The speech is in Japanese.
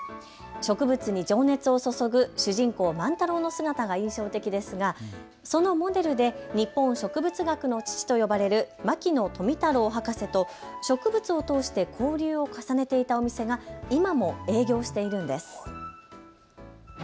植物に情熱を注ぐ主人公・万太郎の姿が印象的ですがそのモデルで日本植物学の父と呼ばれる牧野富太郎博士と植物を通して交流を重ねていたお店が今も営業しているんです。